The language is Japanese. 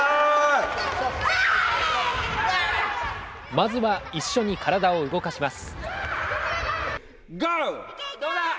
まずは一緒に体を動かします。